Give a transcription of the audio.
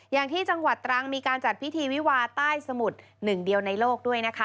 อย่างที่จังหวัดตรังมีการจัดพิธีวิวาใต้สมุทรหนึ่งเดียวในโลกด้วยนะคะ